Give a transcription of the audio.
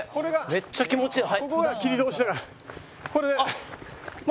めっちゃ気持ちいい。